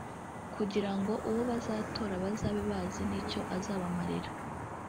kugira ngo uwo bazatora bazabe bazi n’icyo azabamarira”